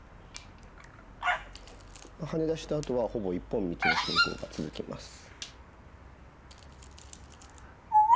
ハネ出したあとはほぼ一本道の進行が続きます。